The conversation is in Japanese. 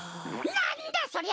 なんだそりゃ！